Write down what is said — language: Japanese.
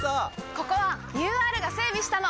ここはＵＲが整備したの！